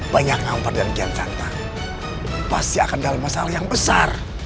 banyak ngampar dan kian santan pasti akan dalam masalah yang besar